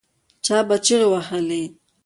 چا به چیغې وهلې.